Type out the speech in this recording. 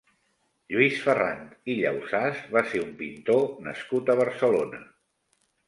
Lluís Ferrant i Llausàs va ser un pintor nascut a Barcelona.